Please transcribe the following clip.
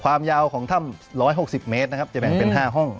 ความยาวของถ้ำ๑๖๐เมตรนะครับจะแบ่งเป็น๕ห้อง